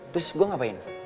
terus gue ngapain